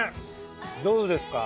どうですか？